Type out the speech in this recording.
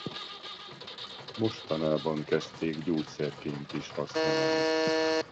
Mostanában kezdték gyógyszerként is használni.